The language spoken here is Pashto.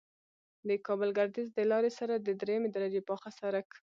د کابل گردیز د لارې سره د دریمې درجې پاخه سرک